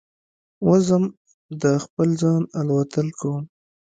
وزم د خپل ځانه الوتل کوم